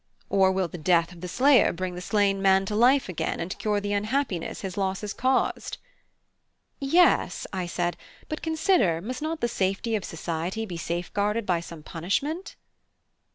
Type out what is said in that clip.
Or will the death of the slayer bring the slain man to life again and cure the unhappiness his loss has caused?" "Yes," I said, "but consider, must not the safety of society be safeguarded by some punishment?"